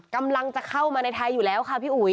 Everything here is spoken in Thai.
กำลังจะเข้ามาในไทยอยู่แล้วค่ะพี่อุ๋ย